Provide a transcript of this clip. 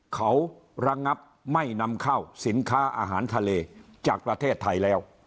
เขาระงับไม่นำเข้าสินค้าอาหารทะเลจากประเทศไทยแล้ว